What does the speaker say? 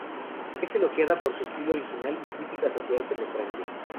Es elogiada por su estilo original y crítica social penetrante.